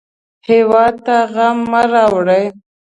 هېواد ته غم مه راوړئ